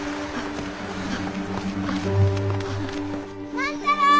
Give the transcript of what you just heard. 万太郎！